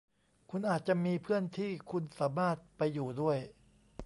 คุณอาจจะมีเพื่อนที่คุณสามารถไปอยู่ด้วย